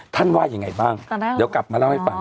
ท่านว่าอย่างไรบ้างเดี๋ยวกลับมาเล่าให้ป่าน